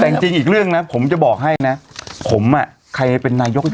แต่จริงอีกเรื่องนะผมจะบอกให้นะผมอ่ะใครเป็นนายก